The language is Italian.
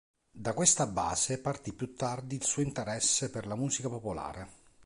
Da questa base partì più tardi il suo interesse per la musica popolare.